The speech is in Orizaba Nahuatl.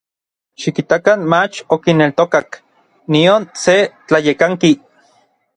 Xikitakan mach okineltokak nion se tlayekanki.